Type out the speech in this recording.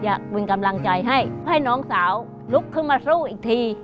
อยากเป็นกำลังใจให้ให้น้องสาวลุกขึ้นมาสู้อีกที